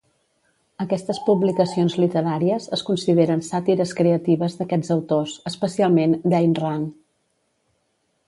Aquestes publicacions literàries es consideren sàtires creatives d'aquests autors, especialment d'Ayn Rand.